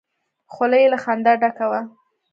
خوله يې له خندا ډکه وه.